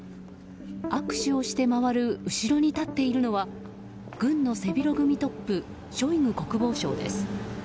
握手をして回る後ろに立っているのは軍の背広組トップショイグ国防相です。